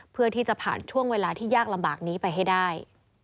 เพื่อที่จะผ่านช่วงเวลาที่ยากลำบากนี้ไปให้ได้